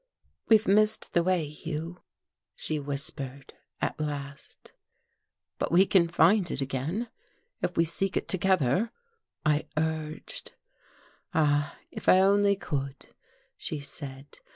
"We have missed the way, Hugh," she whispered, at last. "But we can find it again, if we seek it together," I urged. "Ah, if I only could!" she said.